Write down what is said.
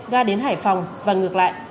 ga đến hải phòng và ngược lại